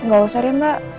gak usah deh mbak